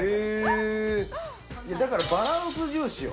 だからバランス重視よ。